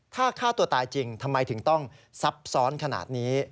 ถ้าฆ่าตัวตายจริงทำไมถึงต้องซับซ้อนขนาดนี้